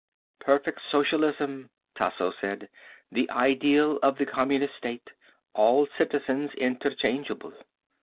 "Perfect socialism," Tasso said. "The ideal of the communist state. All citizens interchangeable."